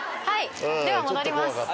はいでは戻ります。